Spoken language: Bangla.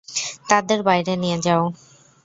তাদের বাইরে নিয়ে যাও!